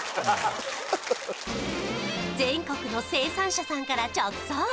全国の生産者さんから直送！